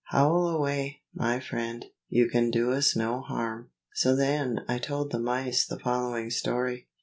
Howl away, my friend; you can do us no harm. So then I told the mice the following story.